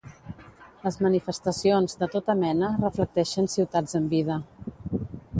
Les manifestacions, de tota mena, reflecteixen ciutats amb vida.